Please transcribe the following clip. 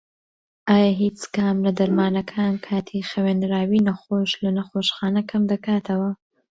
ئایا هیچ کام لە دەرمانەکان کاتی خەوێنراوی نەخۆش لە نەخۆشخانە کەمدەکاتەوە؟